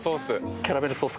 キャラメルソース。